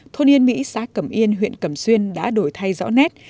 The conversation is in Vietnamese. thôn yên mỹ xã cẩm yên huyện cẩm xuyên đã đổi thay rõ nét